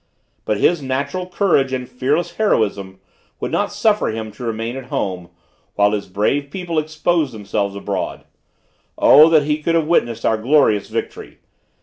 But his natural courage and fearless heroism would not suffer him to remain at home, while his brave people exposed themselves abroad. O, that he could have witnessed our glorious victory!